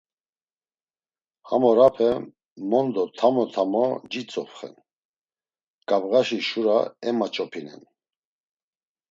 Ham orape mondo tamo tamo citzopxen; ǩabğaşi şura emaç̌opinen.